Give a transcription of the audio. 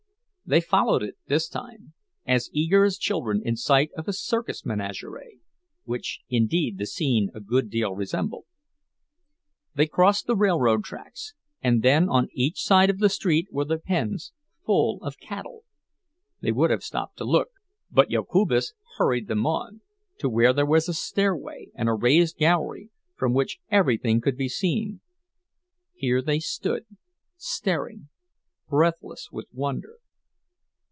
They followed it, this time, as eager as children in sight of a circus menagerie—which, indeed, the scene a good deal resembled. They crossed the railroad tracks, and then on each side of the street were the pens full of cattle; they would have stopped to look, but Jokubas hurried them on, to where there was a stairway and a raised gallery, from which everything could be seen. Here they stood, staring, breathless with wonder.